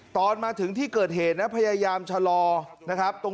ตอนมาถึงที่เกิดเหตุนะพยายามชะลอนะครับ